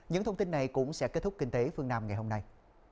những thông tin này cũng sẽ kết thúc kinh tế phương nam ngày hôm nay